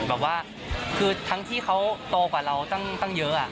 แบบว่าคือทั้งที่เขาโตกว่าเราตั้งเยอะ